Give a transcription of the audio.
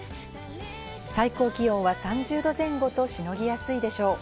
最高気温は３０度前後としのぎやすいでしょう。